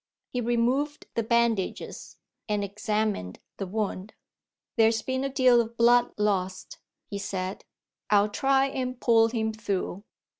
He removed the bandages, and examined the wound. "There's been a deal of blood lost," he said; "I'll try and pull him through.